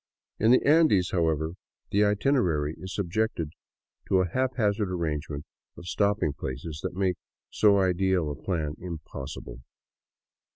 In the Andes, however, the itinerary is subjected to a hap hazard arrangement of stopping places that make so ideal a plan impossible.